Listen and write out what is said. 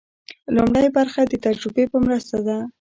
لومړۍ برخه د تجربې په مرسته ده.